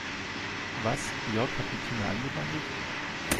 Was, Jörg hat mit Tina angebandelt?